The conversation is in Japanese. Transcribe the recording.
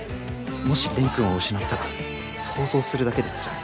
もし蓮くんを失ったら想像するだけでつらい。